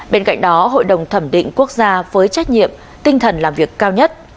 bên cạnh đó hội đồng thẩm định quốc gia với trách nhiệm tinh thần làm việc cao nhất